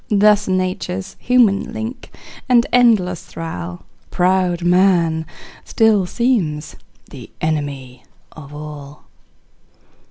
Thus nature's human link and endless thrall, Proud man, still seems the enemy of all.